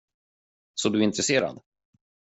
Så du är intresserad?